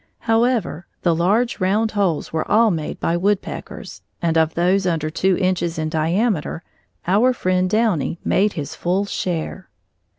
However, the large, round holes were all made by woodpeckers, and of those under two inches in diameter, our friend Downy made his full share.